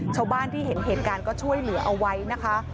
ชาวบ้านที่เห็นเหตุการณ์ก็ช่วยเหลือเอาไว้นะคะ